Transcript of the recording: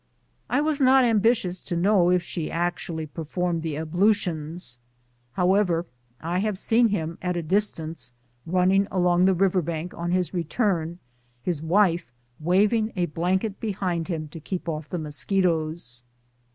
I was not ambitious to know if she actually performed the ablutions. However, I have seen him, at a distance, running along the river bank on BREAKING UP OF THE MISSOURI. 237 his return, his wife waving a blanket behind him to keep off the mosquitoes